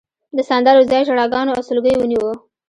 د سندرو ځای ژړاګانو او سلګیو ونیو.